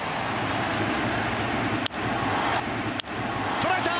捉えた！